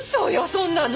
そんなの！